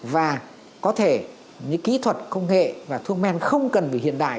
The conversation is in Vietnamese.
và có thể những kỹ thuật công nghệ và thương men không cần phải hiện đại